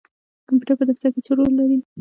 کمپیوټر په دفتر کې څه رول لري؟